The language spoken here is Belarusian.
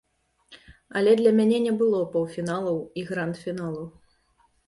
Але для мяне не было паўфіналаў і гранд-фіналу.